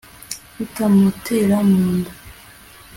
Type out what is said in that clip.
bitamutera mu nda